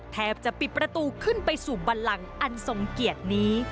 แทบจะปิดประตูขึ้นไปสู่บันลังอันทรงเกียรตินี้